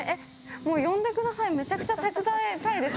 もう呼んでください、めちゃくちゃ手伝いたいです。